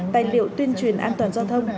tài liệu tuyên truyền an toàn giao thông